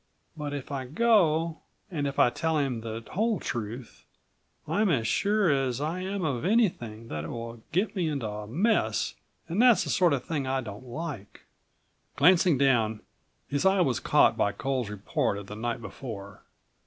But if I go, and if I tell him the whole truth, I'm as sure as I am of anything that it will get me into a mess and that's the sort of thing I don't like."85 Glancing down, his eye was caught by Coles' report of the night before.